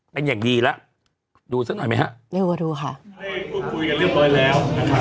เป็นอย่างดีแล้วดูซะหน่อยไหมฮะเร็วกว่าดูค่ะคุยกันเรียบร้อยแล้วนะครับ